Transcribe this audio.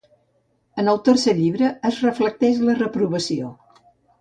En el tercer Llibre es reflecteix la reprovació.